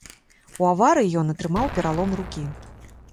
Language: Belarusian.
У аварыі ён атрымаў пералом рукі.